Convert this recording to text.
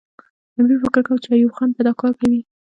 امیر فکر کاوه چې ایوب خان به دا کار کوي.